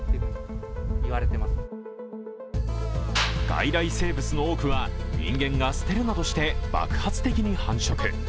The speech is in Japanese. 外来生物の多くは人間が捨てるなどして爆発的に繁殖。